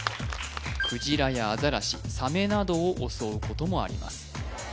クジラやアザラシサメなどを襲うこともあります